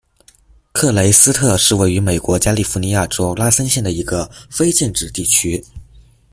克雷斯特是位于美国加利福尼亚州拉森县的一个非建制地区。